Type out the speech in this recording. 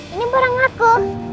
ini borang aku